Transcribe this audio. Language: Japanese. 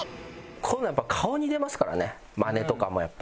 こういうのは顔に出ますからねマネとかもやっぱり。